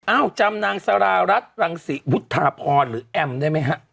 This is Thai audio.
จำนางสารารัฐรังศรีวุฒาพรหรือแอมได้ไหมฮะ